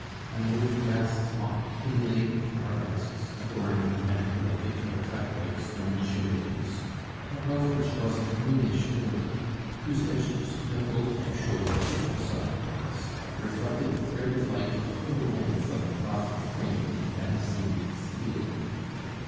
An old brass clock, inlaid with arabesques, adorned the mantel of the ill cut white stone chimney piece, above which was a greenish mirror, whose edges, bevelled to show the thickness of the glass, reflected a thread of light the whole length of a gothic frame in damascened steel work.